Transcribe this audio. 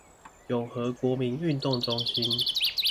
永和國民運動中心